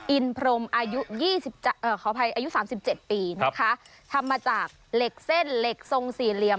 อินพรมอายุสามสิบเจ็ดปีนะคะทำมาจากเหล็กเส้นเหล็กทรงสี่เหลี่ยม